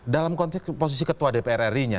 dalam konteks posisi ketua dpr ri nya